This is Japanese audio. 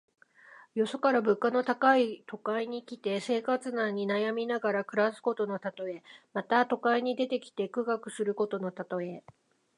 よそから物価の高い都会に来て、生活難に悩みながら暮らすことのたとえ。また、都会に出てきて苦学することのたとえ。